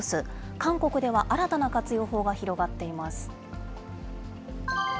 韓国では新たな活用法が広がっています。